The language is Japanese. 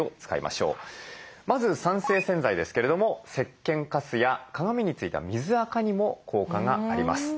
まず酸性洗剤ですけれどもせっけんカスや鏡に付いた水あかにも効果があります。